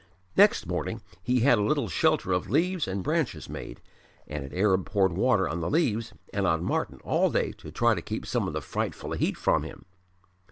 Next morning he had a little shelter of leaves and branches made, and an Arab poured water on the leaves and on Martyn all day to try to keep some of the frightful heat from him.